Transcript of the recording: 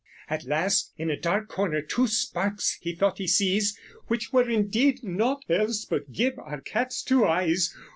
At last in a dark corner two sparkes he thought he sees Which were, indede, nought els but Gyb our cat's two eyes.